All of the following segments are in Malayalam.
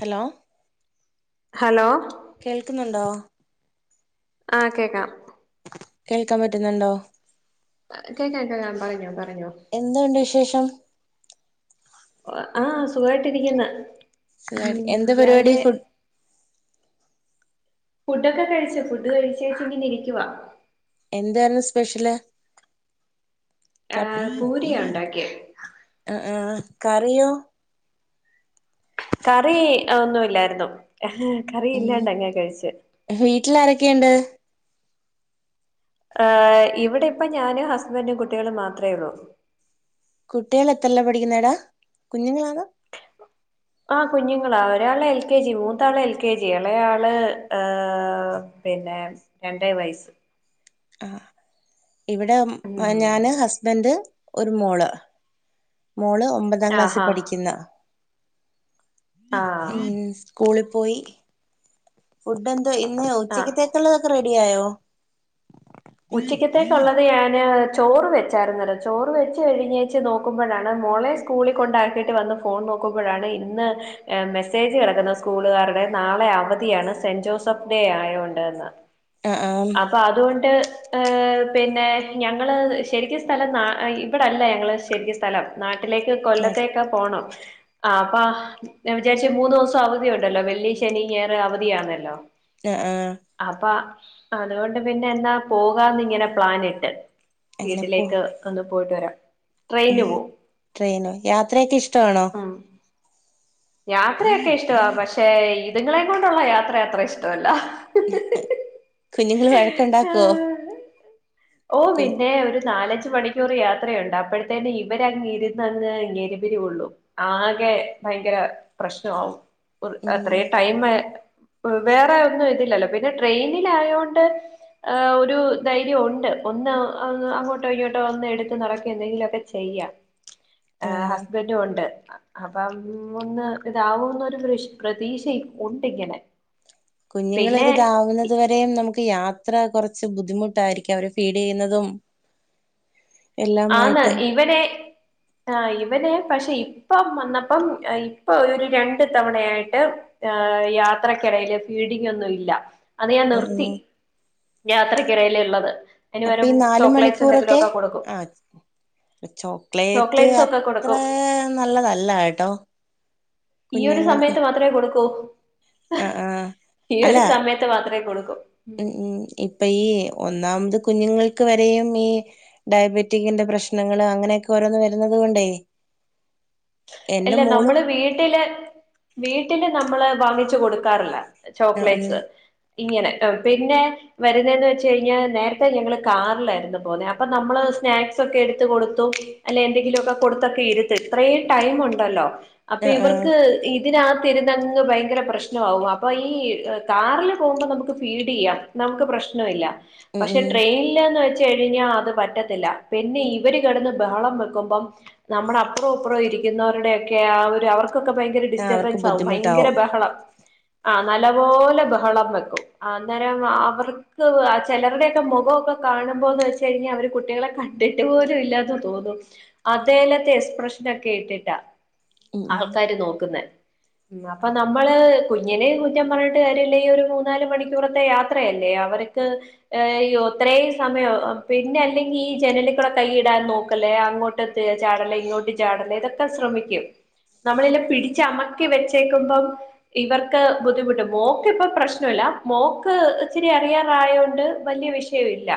ഹലോ ഹലോ കേൾക്കുന്നുണ്ടോ ആഹ് കേക്കാം കേൾക്കാൻ പറ്റുന്നുണ്ടോ? കേക്കാം കേക്കാം പറഞ്ഞോ പറഞ്ഞോ എന്തുണ്ട് വിശേഷം? ആഹ് സുഖായിട്ടിരിക്കുന്ന് സുഖായി ഉം എന്ത പരിപാടി രാവിലെ ഫുഡ് ഫുഡോക്കെ കഴിച്ചു ഫുഡ് കഴിച്ചേച്ചെങ്ങിനിരിക്കുവാ എന്താർന്നു സ്പെഷ്യല് ആഹ് പൂരിയാ ഉണ്ടാക്കിയ ആഹ് ആഹ് കറിയോ കറി ഒന്നുല്ലായിരുന്നു കറി ഉം ഇല്ലാണ്ടങ്ങെ കഴിച്ച് വീട്ടിൽ ആരൊക്കെയുണ്ട് ഏഹ് ഇവിടെ ഇപ്പ ഞാനും ഹസ്ബൻറും കുട്ടികളും മാത്രേ ഉള്ളൂ കുട്ടികളത്രലാ പഠിക്കുന്നേടാ കുഞ്ഞുങ്ങളാ ആഹ് കുഞ്ഞുങ്ങളാ ഒരാള് എൽ കെ ജി മൂത്താള് എൽ കെ ജി ഇളയാള് പിന്നെ രണ്ടര വയസ്സ് ആഹ് ഇവിടെ ഉം ഞാന് ഹസ്ബൻറ് ഒരു മോള് മോള് ഒമ്പതാം ക്ലാസി ആഹാ പഠിക്കുന്ന ആഹ് ഉം സ്കൂളി പോയി ഫുഡ് എന്തോ ഇന്ന് ആഹ് ഉച്ചക്കത്തേക്കുള്ളതൊക്കെ റെഡിയായോ ഉച്ചിക്കത്തേക്കുള്ളത് ഞാന് ചോറ് വെച്ചായിരുന്നു ചോറ് വെച്ച് കഴിഞ്ഞേച്ച് നോക്കുമ്പഴാണ് മോള്ക്ക് സ്കൂളിൽ കൊണ്ടാക്കിയിട്ട് വന്ന് ഫോൺ നോക്കുമ്പഴാണ് ഇന്ന് ഏഹ് മെസ്സേജ് കിടക്കുന്ന സ്കൂളുകാരുടെ നാളെ അവധിയാണ് സെന്റ് ജോസഫ് ഡേ ആയതോണ്ടന്ന് ആ ആ അപ്പ അതുകൊണ്ട് ഏഹ് പിന്നെ ഞങ്ങള് ശരിക്കും സ്ഥലം നാ ഇവിടെല്ല ഞങ്ങള് ശരിക്കും സ് സ്ഥലം നാട്ടിലേക്ക് കൊല്ലത്തേക്ക് പോണം ആഹ് അപ്പ ഞാ വിചാരിച്ച് മൂന്നു ദുവസം അവധിയുണ്ടല്ലോ വെള്ളി ശനി ഞായർ അവധിയാണല്ലോ ആഹ് ആഹ് അപ്പ അതുകൊണ്ട് പിന്നെ എന്നാ പോകാന്ന് ഇങ്ങനെ പ്ലാനിട്ട് അങ്ങനെ പോ വീട്ടിലേക്ക് ഒന്ന് പോയിട്ട് വരാം ട്രെയിന് പോവും ട്രെയിനോ യാത്രയൊക്കെ ഇഷ്ടമാണോ? ഉം യാത്രയൊക്കെ ഇഷ്ടവാ പക്ഷെ ഇതുങ്ങളെ കൊണ്ടുള്ള യാത്ര അത്ര ഇഷ്ട്ടവല്ല കുഞ്ഞുങ്ങൾ വഴക്കുണ്ടാക്കുവോ ഓ കുഞ് പിന്നെ ഒരു നാലഞ്ച് മണി ക്കൂർ യാത്രയുണ്ട് അപ്പഴത്തേന് ഇവരങ്ങ് ഇരുന്നങ്ങ് നരുബിരികൊള്ളും ആകെ ഭയങ്കര പ്രശ്നവാവും ഉം അത്രയും ടൈമ് വേറെ ഒന്നും ഇതില്ലല്ലോ പിന്നെ ട്രെയിലിലായോണ്ട് ആ ഒരു ധൈര്യവുണ്ട് ഒന്ന് അങ്ങോട്ടോ ഇങ്ങോട്ടോ ഒന്ന് എടുത്ത് നടക്കെ എന്തെങ്കിലൊക്കെ ചെയ്യാം [inaudible] ആഹ് ഹസ്ബൻഡും ഒണ്ട് അപ്പം ഒന്ന് ഇതാവുന്നൊരു ശ് പ്രതീക്ഷ ഒണ്ടിങ്ങനെ കുഞ്ഞുങ്ങളൊരിതാവുന്നത് വരേയും നമുക്ക് യാത്ര കൊറച്ച് ബുദ്ധിമുട്ടായിരിക്കും അവരെ ഫീഡ് ചെയ്യുന്നതും [inaudible] ആന്ന് ഇവരെ ആ ഇവരെ പക്ഷെ ഇപ്പം വന്നപ്പം ഇപ്പൊ ഒരു രണ്ടു തവണയായിട്ട് ഏഹേ യാത്രക്കെടയില് ഫീഡിംങ്ങൊന്നു ഇല്ല അത് ഞാൻ ഉം നിർത്തി ഉം യാത്രക്കിടയില്ള്ളത് അപ്പ ഈ നാല് മണിക്കൂറൊക്കെ ആഹ് ചോ ചോക്ലേറ്റ് ചോക്ലേറ്റ്സ് ഒക്കെ അത്ര കൊടുക്കും നല്ലതല്ല കേട്ടോ ഈയൊരു കുഞ്ഞുങ്ങൾക്ക് സമയത്ത് മാത്രേ കൊടുക്കൂ ആഹ് ആഹ് അല്ല ഈയൊരു സമയത്ത് മാത്രേ കൊടുക്കൂ ഇപ്പയീ ഒന്നാമത് കുഞ്ഞുങ്ങൾക്ക് വരെയും ഈ ഡയബറ്റിക്കിന്റെ പ്രശ്നങ്ങള് അങ്ങനെയൊക്കെ ഓരോന്ന് വരുന്നത് കൊണ്ടേ എന്റെ എല്ല മോള് നമ്മള് വീട്ടില് വീട്ടില് നമ്മള് വാങ്ങിച്ചു കൊടുക്കാറില്ല ആഹ് ഉം ചോക്ലേറ്റ്സ് ഇങ്ങനെ ട്ടോ പിന്നെ വരുന്നേന്ന് വെച്ച് കഴിഞ്ഞ നേരത്തെ ഞങ്ങള് കാറിലായിരുന്നു പോവ്ന്നേ അപ്പൊ നമ്മള് സ്നാക്ക്സൊക്കെ എടുത്തു കൊടുത്തു അല്ലെ എന്തെങ്കിലൊക്ക കൊടുത്തൊക്കെ ഇരുത്തും ഇത്രേം ടൈം ഒണ്ടല്ലോ അപ്പൊ ആഹ് ആഹ് ഇവർക്ക് ഇ തിനകത്തിരുന്നങ്ങ് ഭയങ്കര പ്രശ്നമാവും അപ്പൊ ഈ കാറില് പോവുമ്പോ നമുക്ക് ഫീഡെയ്യാം നമുക്ക് പ്രശ്നവില്ല ഉം പക്ഷെ ഉം ട്രെയിനില്ന്ന് വെ ച്ച് കഴിഞ്ഞാ അത് പറ്റത്തില്ല പിന്നെ ഇവര് കെടന്ന് ബഹളം വെക്കുമ്പം നമ്മടെ അപ്പുറം ഇപ്പുറം ഇരിക്കുന്നവരുടെയൊക്കെ ആ ഒരു അവർക്കൊക്കെ ഭയങ്കര ആഹ് അവർക്ക് ഡിസ്റ്റർബൻസാവും ഭയങ്കര ബുദ്ധിമുട്ടാവും ബഹളം ആഹ് നല്ലപോലെ ബഹളം വെക്കും അന്നേരം അവർ ക്കൊന്നും ചെലരുടെയൊക്കെ മുഖവൊക്കെ കാണുമ്പോന്ന് വെച്ച് കഴിഞ്ഞാ അവര് കുട്ടികളെ കണ്ടിട്ട് പോലും ഇല്ലാന്ന് തോന്നും അതേലത്തെ എക്സ്പ്രഷനൊക്കെ ഇട്ടിട്ടാ ഉം ഉം ആൾക്കാര് നോക്കുന്നേ അപ്പൊ നമ്മള് കുഞ്ഞിനേം കുറ്റം പറഞ്ഞിട്ട് കാര്യമില്ല ഈ ഒരു മൂന്നാല് മണിക്കൂറത്തെ യാ ത്രയല്ലേ? അവർക്ക് ഏഹ് അയ്യോ ഇത്രയും സമയം പിന്നെ അല്ലെങ്കി ഈ ജനലിക്കൂടെ കൈയിടാൻ നോക്കല് അങ്ങോട്ട് ട്ട് ചാടല് ഇങ്ങോട്ട് ചാടല് ഇതൊക്കെ ശ്രമിക്കും നമ്മളിലെ പിടിച്ചമക്കി വെച്ചേക്കുമ്പം ഇവർക്ക് ബുദ്ധിമുട്ട് മോക്കിപ്പോ പ്രശ്നവില്ല മോക്ക് ഇച്ചിരി അറിയാറായോണ്ട് വലിയ വിഷ യവില്ല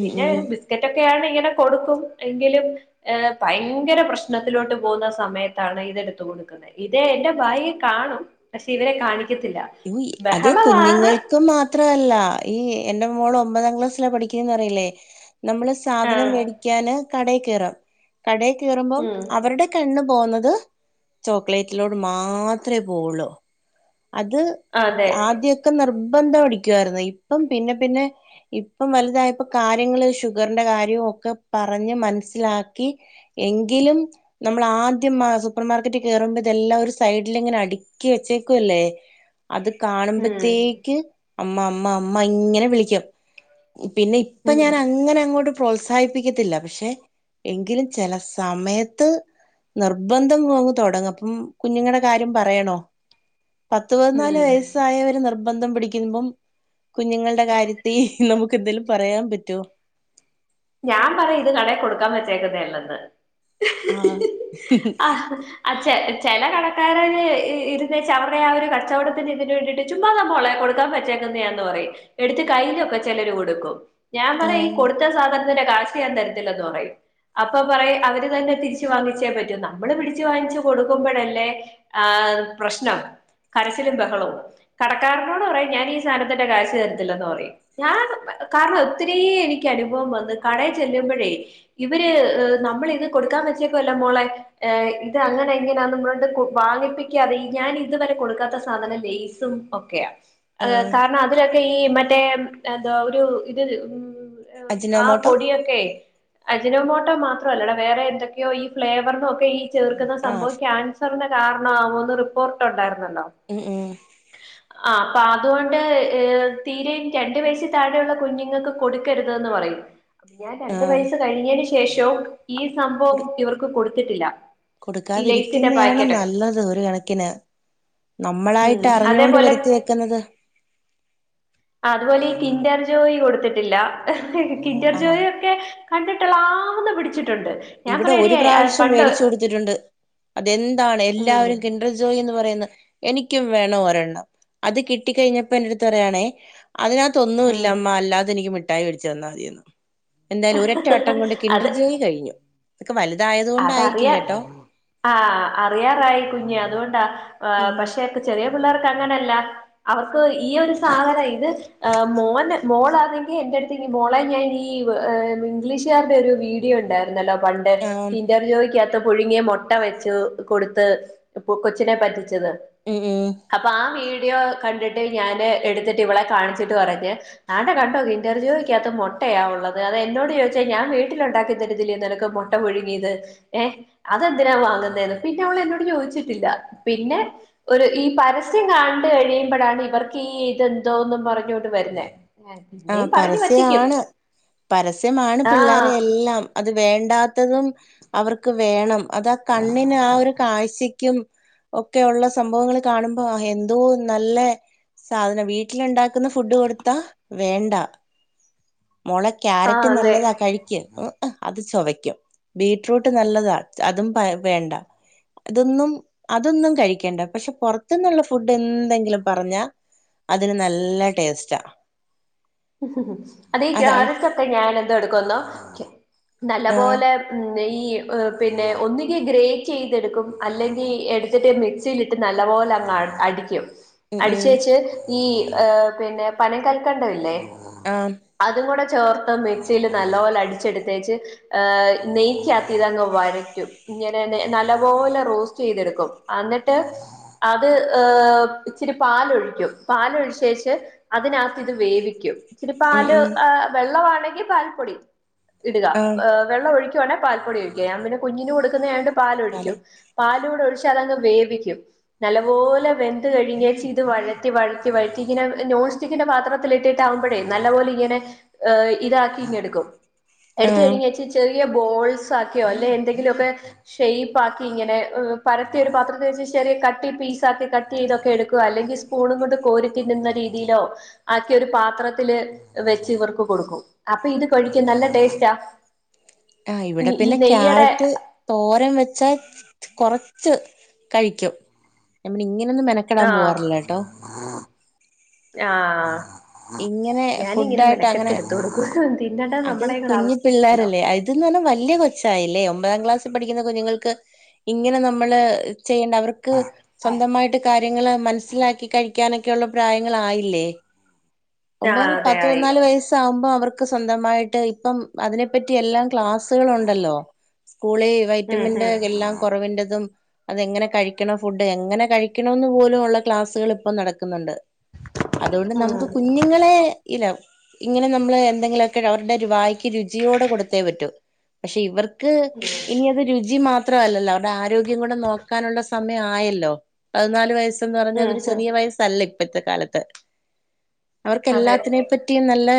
ഉം പിന്നെ ഉം ബിസ്ക്കറ്റൊക്കെയാണ് ഇങ്ങനെ കൊടുക്കും എങ്കിലും ഏഹേ ഭയങ്കര പ്രശ്നത്തിലോട്ട് പോ വുന്ന സമയത്താണ് ഇതെടുത്ത് കൊടുക്കുന്നേ ഇത് എന്റെ ബാഗി കാണും പക്ഷെ ഇവരെ കാണിക്കത്തില്ല ഇഞ്ഞി അത് ബഹളമാണ് കുഞ്ഞ്ങ്ങൾക്കും മാ ത്രവെല്ല ഈ എന്റെ മോള് ഒമ്പതാം ക്ലാസ്സിലാ പഠിക്ക്ന്ന് പറഞ്ഞില്ലേ നമ്മള് സാധനം ആഹ് വേടി ക്യാന് കടേകേറും കടേ കേറുമ്പം ഉം അവരുടെ കണ്ണ് പോവുന്നത് ചോക്ലൈറ്റിലോട്ട് മാത്രേ പോവൊള്ളു അത് അതെ ആദ്യൊക്കെ നിർബന്ധം അടിക്കുവായിരുന്നു ഇപ്പം പിന്നെ പിന്നെ ഇപ്പം വലുതായപ്പൊ കാര്യങ്ങള് ഷുഗർന്റെ കാര്യോം ഒക്കെ പറഞ്ഞ് മനസ്സിലാക്കി എങ്കിലും നമ്മളാദ്യം ആ സൂപ്പർ മാർക്കറ്റി കേറുമ്പെ ഇതെല്ലാം ഒരു സൈഡില് ഇങ്ങനെ അട്ക്കി വെച്ചേ ക്കുവല്ലേ അത് ഉം കാണുമ്പത്തേക്ക് അമ്മ അമ്മ അമ്മ ഇങ്ങനെ വിളിക്കും പിന്നെ ഇപ്പ ഉം ഞാൻ അങ്ങനെ അങ്ങോട്ട് പ്രോത്സാഹിപ്പിക്കത്തില്ല പക്ഷെ എങ്കിലും ചെല സമയത്ത് നിർബന്ധം കോങ്ങ് തൊടങ്ങും അപ്പം കുഞ്ഞുങ്ങടെ കാര്യം പറയണോ പത്ത് പത് നാല് ഉം വയസ്സായവര് നിർബന്ധം പിടിക്കുമ്പം കുഞ്ഞ്ങ്ങൾടെ കാര്യത്തി നമുക്ക് എന്തേലും പറയാംപറ്റോ ഞാംപറയാ ഇത് കടെ കൊട്ക്കാം വെച്ചേക്ക്ന്ന എല്ലെന്ന് ആഹ് അഹ് അച്ചെ ചെലെ കടക്കാരന് ഇ ഇരന്നേച്ചാ അവര്ടെ ആ ഒരു കച്ചവടത്തിന് ഇതിന് വേണ്ടിയിട്ട് ചുമ്മാന്ന മോളെ കൊട്ക്കാം വെച്ചേക്ക്ന്നെയാന്ന് പറയും എട്ത്ത് കയ്യിലൊക്കെ ചെലര് കൊട്ക്കും ഞാംപറയും ഈ ആഹ് കൊട്ത്ത സാധനത്തിന്റെ കാഷ് ഞാൻ തെരത്തില്ലെന്ന് പറയും അപ്പൊ പറയും അവര് തെന്നെ തിരിച്ച് വാങ്ങിച്ചേ പറ്റൂഎന്നാ നമ്മള് പിടിച്ച് വാങ്ങിചു കൊടുക്കുമ്പഴല്ലേ ആഹ് പ്രശ്നം കരച്ചിലും ബഹളവും കടക്കാരനോട് പറയായും ഞാൻ ഈസാദനത്തിന്റെ കാശ് തെരത്തില്ലെന്ന് പറയും ഞാൻ കാരണം ഒത്തിരി എനിക്ക് അനുഭവം വന്ന കടേ ചെല്ലുമ്പോഴേ ഇവര് നമ്മള് ഇന്ന് കൊട്ക്കാൻ വെച്ചേക്കാെല്ലെ മോളെ ഏഹ് ഇത് അങ്ങനെ എങ്ങിനാന്നും പർണ് ട്ട് കുവാങ്ങിപ്പിക്കാതെ ഇ ഞാൻ ഇത് വെരെ കൊട്ക്കാത്ത സാധനാ ലൈസും ഓക്കെയാ ഹ് ആഹ് കാരണം അതിലൊക്കെ ഈ മറ്റേംഎന്താേ ഒരു ഇത് [unintelligible] ആപ് അജിനോമോട്ടോ ഇയ്യൊക്കേയ് അജിനോമോട്ട മാത്രവെല്ലടാ വേറെ എന്തൊക്കെയോ ഈ ഫ്ലേവർനൊക്കെ ഈ ചേർക്ക്ന്ന സംഭവം ആഹ് ക്യാൻസെറിന് കാരണം ആവോന്ന് റിപ്പോർട്ട് ഉണ്ടായിരുന്നല്ലോ ഉം ഉം ആഹ് അപ്പഅത്കൊണ്ട് ഹ് തീരെ രണ്ടു വയസ്സിന് താഴെയുള്ള കുഞ്ഞുങ്ങക്ക് കൊട്ക്കരുത് ന്ന് പറയും ഞാൻ രണ്ടു ആഹ് വയസ്സ് കഴിഞ്ഞെന് ശേഷവും ഈ സംഭവം ഇവർക്ക് കൊട്ത്തിട്ടില്ല കൊട്ക്കാതിരിക്ക്ന്നെയാണ് നല്ലത് ഒരു കണക്കിന് ഉം നമ്മളായിട്ട് അറിഞ്ഞാേണ്ട് അതേപോലെ വെരുത്തി വെക്ക്ന്നത് അതുപോലെ ഈ കിന്റർ ജോയി കൊട്ത്തിട്ടില്ല കിന്റർ ആഹ് ജോയി ഒക്കെ കണ്ടിട്ടുള്ളാവതും പിടിച്ചിട്ടുണ്ട് ഞാൻ ഇവിടെ പറയടി ഒരു ആ, പ്രാവശ്യം പണ്ട് വേടിച്ചുകൊടുത്തിട്ടുണ്ട് അതെന്താണ് ഉം എല്ലാവെരും കിൻ കിന്റർജോയ് എന്ന് പറയുന്ന എനിക്കും വേണം ഒരെണ്ണം അത് കിട്ടി കെഴിഞ്ഞപ്പോ എന്റെടുപ് പറയയാണേ ഉം അതിനകത്തൊന്നുല്ലമ്മാ അല്ലാതെ എനിക്ക് മിഠായി വേടിച്ചു തന്നാ മതിയെന്ന് എന്തായാലും ഒരറ്റ വട്ടം കൊണ്ട് അത് കിണ്ടർജോയി കഴിഞ്ഞു ഇതൊക്കെ വല്തായത്കൊണ്ടായിരിക്കും അതറിയാ കെട്ടോ ആഹ് അറിയാറായി കുഞ്ഞ് അതുകൊണ്ടാ ആ ഉം പക്ഷേ ക് ചെറിയ പിള്ളേർക്ക് അങ്ങനെയല്ല അവർക്ക് ഈ ഒരു സാധനം ഇത് ആ മോന് മോളാന്നെങ്കി എന്റെട്ത്ത്ക്ക് മോളെ ഞാന് ഈവ് ഹ് ഇംഗ്ലീഷ്കാരുടെ ഒരു വീ ഡിയോ ഉണ്ടാര്ന്നല്ലോ പണ്ട് ആഹ് കിന്റർജോയിക്കകത്ത് പുഴുങ്ങിയ മൊട്ട വെച്ചുകൊടുത്ത് ഇപ്പു കൊച്ചിനെ പറ്റിച്ചത് ഉം ഊം അപ്പ ആ വീഡിയോ കണ്ടിട്ട് ഞാന് എട്ത്തിട്ട് ഇവളെ കാണിച്ചിട്ട് പറഞ്ഞ് ആണ്ടെ കണ്ടോ കിന്റർ ജോയി ക്കകത് മൊട്ടയാഉള്ളത് അത് എന്നോട് ചോദിച്ചാ ഞാൻ വീട്ടിലൊ ണ്ടാക്കി തരത്തില്ലേ നിന ക്ക് മൊട്ടപുഴു ങ്ങിത് ഏഹ് അതെന്തിനാ വാങ്ങുന്നേന്ന് പിന്നെ അവള് എന്നോട് ചോദിച്ചിട്ടില്ല പിന്നെ- ഒര് ഈ പരസ്യം കണ്ട് കഴിയുമ്പൊ ഴാണ് ഇവർക്ക് ഈ ഇതെന്തോന്നും പറഞ്ഞോണ്ട് വരുന്നേ. ആഹ് പിന്നെയും പറഞ്ഞു പറ്റിക്കും പരസ്യആണ് പരസ്യമാണ് ആഹ് പിള്ളേരെ എല്ലാം. അത് വേണ്ടാത്തതും അവർക്ക് വേണം. അതാ കണ്ണിന് ആ ഒരു കാഴ്ച്ച ക്കും- ഒക്കെ ഒള്ളെ സംഭവങ്ങള് കാണുമ്പൊ എന്തോ നല്ലെ- സാധനം വീട്ടില് ഒണ്ടാക്കുന്ന ഫുഡ് കൊടുത്താ. വേണ്ട മോളെ ക്യാരറ്റ് ആഹ് അതെ നല്ലതാ കഴിക്ക്. ഓഎ അത് ചൊവക്കും ബീറ്റ്റൂട്ട് നല്ലതാ അതും പയ വേണ്ട. ഇതൊന്നും അതൊന്നും കഴിക്കണ്ട പക്ഷെ പൊറത്ത്ന്നുള്ള ഫുഡ് എന്തെങ്കിലും പറഞ്ഞാ. അതിന് നല്ല ടേസ്റ്റാ. അതേയ് അതാണ് ക്യാരറ്റൊക്കെ ഞാൻഅത് എടുക്കുന്നു നല്ല ആഹ് പോലെ. - നെയ്യ് പിന്നെ ഒന്ന്ങ്കി ഗ്രേറ്റെ യ്തെടുക്കും അല്ലെങ്കിൽ എടുത്തിട്ട് മിക് സിലിട്ട് നല്ല പോലെ അങ്ങ് അടിക്കും ഉം അടി ഉം ച്ചേച്ച് ഈ പിന്നെ പനം കൽക്കണ്ടം ഇല്ലേ ആം അതും കൂടെ ചേർത്ത് മിക്സിയില് നല്ലോലെ അടിച്ചെടുത്തേച്ച് നെയ്ക്കാത്ത് ഇതങ്ങ് വഴറ്റും ഇങ്ങനന്നെ നല്ലപോലെ റോസ്റ്റെയ് തെടുക്കും അന്നിട്ട് അത് ഏഹ് ഇച്ചിരി പാലൊഴിക്കും പാലൊഴിച്ചേച്ച് അതിനകത്ത് ഇത് വേവിക്കും ഇച്ചരി ഉം പാല് ഉം വെള്ളമാണെങ്കി പാൽപ്പൊടി ഇടുക ആഹ് വെള്ളം ഒഴിക്കുവാണെ പാൽപ്പൊടി ഒഴിക്കുക ഞാൻ പിന്നെ കുഞ്ഞിന് കൊടുക്കുന്നെ ആയോണ്ട് പോലെ പാലൊഴിക്കും പാലൂടെ ഒഴിച്ച് അതങ്ങ് വേവിക്കും നല്ലപോലെ വെന്ത് കഴിഞ്ഞേച്ചിത് വഴറ്റി വഴറ്റി വഴറ്റി ഇങ്ങനെ നോൺ സ്റ്റിക്കിന്റെ പാത്രത്തിലിട്ടിട്ട്- ആവുമ്പഴെ നല്ലപോലിങ്ങനെ ഇതാക്കി ഇങ്ങെടുക്കും എടുത്ത് ആഹ് കഴിഞ്ഞേച്ച് ചെറി- യബോൾസ് ആക്കിയോ അല്ലേ എന്തെങ്കിലുവൊക്കെ ഷെയ്പ്പ് ആക്കി ഇങ്ങനെ പരത്തിയൊരു പാത്രത്തി വെച്ച് ചെറിയ കട്ടിൻ പീസ് ആക്കി കട്ട് ചെയ്തൊക്കെ എടുക്കുവോ അല്ലെങ്കി- സ്പൂണും കൊണ്ട് കോരിതിന്നുന്ന രീതിയിലോ ആക്കിഒരു പാത്ര- ത്തില് വെച്ച് ഇവർക്ക് കൊടുക്കും അപ്പൊ ഇത് കഴിക്കും നല്ല ടേസ്റ്റാ ആഹ് ഇവിടെ ഈ പിന്നെ നെയ്യടെ ക്യാരറ്റ് തോരൻ വെച്ചാ കൊറച്ച് കഴിക്കും ഇങ്ങനൊന്നും മെന- ആഹ് ആഹ് ഇങ്ങനെ ഞാനിങ്ങനെ ഫുഡായിട്ട് അങ്ങനെ മെനക്കെട്ടിടത്തോട് കൂട്ട് വ- അത് കുഞ്ഞു പിള്ളേരല്ലേ ഇതെന്ന് പറഞ്ഞാൽ വല്യ കൊച്ചായില്ലേ ഒമ്പതാം ക്ലാസ്സിൽ പഠിക്കുന്ന കുഞ്ഞുങ്ങൾക്ക്- ഇങ്ങനെ നമ്മള് ചെയ്യേണ്ട അവർ- ക്ക് സ്വന്തമായിട്ട് കാര്യങ്ങള് മനസ്സിലാക്കി കഴിക്കാനൊക്കെയുള്ള പ്രായങ്ങളായില്ലേ ആഹ് ഒമ്പതാം അതെ പത്ത് ആയി പതിന്നാല് വയസ്സ്- ആകുമ്പൊ അവർക്ക് സ്വന്തമായിട്ട് ഇപ്പം അതിനെപ്പറ്റി എല്ലാം ക്ലാസ്സുകള് ഉണ്ടല്ലോ സ്കൂളി ഉം വൈറ്റമിന്റെ എല്ലാം കുറവിൻ്റെതും അതെങ്ങനെ കഴിക്കണം ഫുഡ് എങ്ങനെ കഴിക്കണോന്ന് പോലുമു ള്ള ക്ലാസ്സുകൾ ഇപ്പം നടക്കുന്നുണ്ട് അതുകൊണ്ട് ഉം നമുക്ക് കുഞ്ഞുങ്ങളെ ഇല്ല ഇങ്ങനെ നമ്മള് എന്തെങ്കിലുമൊക്കെ അവരുടെ ഒരു വായി- ക്ക് രുചിയോടെ കൊടുത്തേ പറ്റൂ പക്ഷെ ഇവർക്ക് ഇനി അത് രുചി മാത്രല്ലല്ലോ അവരുടെ ആരോഗ്യം കൂടെ നോക്കാനുള്ള സമയം ആയല്ലോ പതിനാല് വയസ് എന്ന് ഉം പറഞ്ഞ ഉം അതൊരു ഉം ചെറിയ വയസ്സല്ല ഇപ്പൊഴത്തെ കാലത്ത് അതെ അവർക്ക്ല്ലാത്തിനെ പറ്റിയ നല്ല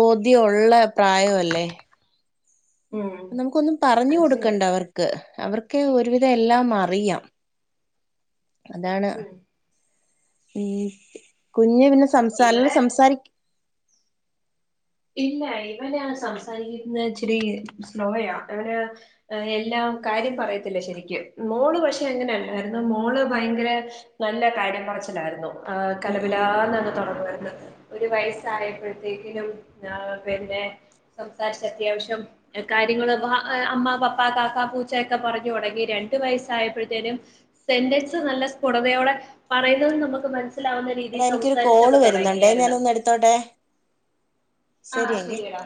ബോധ്യമുള്ള പ്രായവല്ലേ ഉം നമുക്കൊന്നും പറഞ്ഞു അത് ശരിയാ കൊടുക്കണ്ട അവർക്ക് അവർക്ക് ഒരുവിധം എല്ലാം അറിയാം അതാണ് ഉം ഉ കുഞ്ഞ് പിന്നെ സംസാ നല്ല ഇവിടെ സംസാരി ഇല്ല ഇവന സംസാരിക്കുന്നത് ഇച്ചരി സ്ലോയ അവര് എല്ലാം കാര്യം പറയത്തില്ല ശരിക്കും മോള് പക്ഷെ എങ്ങനെയല്ലായിരുന്നു മോള് ഭയങ്കര നല്ല കാര്യം കുറച്ചിലായിരുന്നു ആ ഉം ഉം കലപിലാന്നന്ന് തുടങ്ങുവന്ന് ഒരു വയസായപ്പോഴത്തേക്കിനും പിന്നെ സംസാരിച്ച അത്യാവശ്യം കാര്യങ്ങള്ൾ അമ്മ പപ്പ കാക്ക പൂച്ചൊക്കെ പറഞ്ഞ തുടങ്ങി രണ്ടു വയസ്സായപ്പോഴത്തേനും സെന്റൻസ് നല്ല സ്ഫുടതയോടെ പറയുന്നത് നമുക്ക് മനസ്സിലാവുന്ന എടാ രീതിയിൽ എനിക്കൊരു കോള് സംസാരിച്ചൊക്കെ വരുന്നുണ്ടേ തുടങ്ങിയായിരുന്നു ഞാനൊന്ന് എടുത്തോട്ടെ ആഹ ശരിയെങ്കി ശരിയടാ